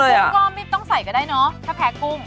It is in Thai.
แผลกุ้งก็มีต้องใส่ก็ได้เนอะแผลกุ้ง